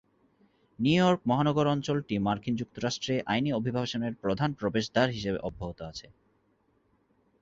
New York মহানগর অঞ্চলটি মার্কিন যুক্তরাষ্ট্রে আইনি অভিবাসনের প্রধান প্রবেশদ্বার হিসাবে অব্যাহত রয়েছে।